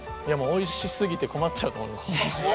おいしすぎて困っちゃうと思います。